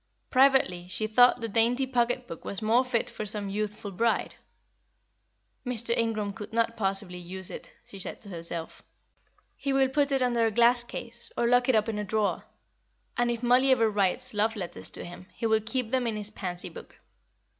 Privately she thought the dainty pocket book was more fit for some youthful bride. "Mr. Ingram could not possibly use it," she said to herself; "he will put it under a glass case, or lock it up in a drawer. And if Mollie ever writes love letters to him, he will keep them in his pansy book."